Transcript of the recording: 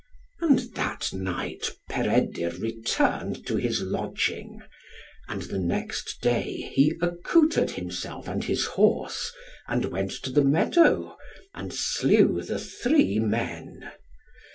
And that night Peredur returned to his lodging; and the next day he accoutred himself and his horse, and went to the meadow, and slew the three men.